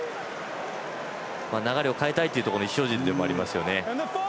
流れを変えたいという意思表示でもありますね。